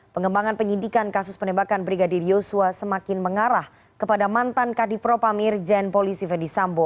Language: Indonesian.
pengembangan penyidikan kasus penembakan brigadir yosua semakin mengarah kepada mantan kadipropamir jen polisi fedy sambo